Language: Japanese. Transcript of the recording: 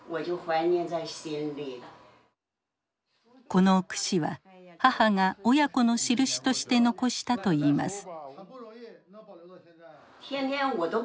この櫛は母が親子のしるしとして残したといいます。